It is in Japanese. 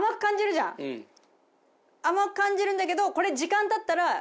甘く感じるんだけどこれ。